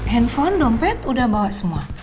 handphone dompet udah bawa semua